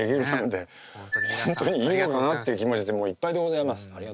本当にいいのかなっていう気持ちでいっぱいでございます。